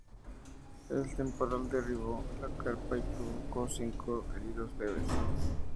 El temporal derribó la carpa y provocó cinco heridos leves.